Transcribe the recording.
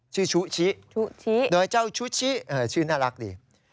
ชื่อชุชิชุชิโดยเจ้าชุชิชื่อน่ารักดี